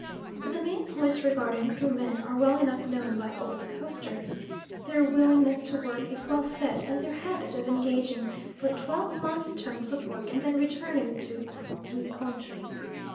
But the main points regarding Krumen are well enough known by old Coasters their willingness to work if well fed, and their habit of engaging for twelve month terms of work and then returning to "We country."